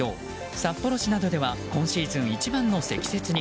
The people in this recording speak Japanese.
札幌市などでは今シーズン一番の積雪に。